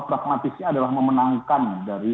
pragmatisnya adalah memenangkan dari